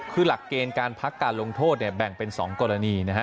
คือหลักเกณฑ์การพักการลงโทษเนี่ยแบ่งเป็น๒กรณีนะฮะ